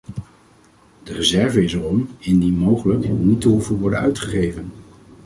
De reserve is er om, indien mogelijk, niet te hoeven worden uitgegeven.